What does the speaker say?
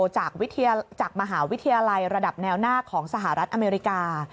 จากมหาวิทยาลัยระดับแนวหน้าของสหรัฐอเมริกา